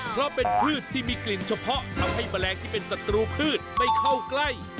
เพราะเป็นพืชที่มีกลิ่นเฉพาะทำให้แมลงที่เป็นศัตรูพืชไม่เข้าใกล้